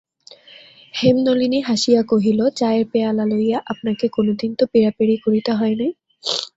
হেমনলিনী হাসিয়া কহিল, চায়ের পেয়ালা লইয়া আপনাকে কোনোদিন তো পীড়াপীড়ি করিতে হয় নাই।